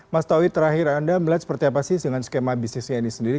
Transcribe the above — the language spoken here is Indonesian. mas tauhid terakhir anda melihat seperti apa sih dengan skema bisnisnya ini sendiri